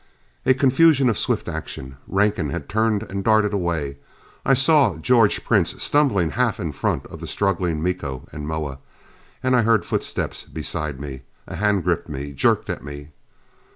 A confusion of swift action. Rankin had turned and darted away. I saw George Prince stumbling half in front of the struggling Miko and Moa. And I heard footsteps beside me. A hand gripped me, jerked at me.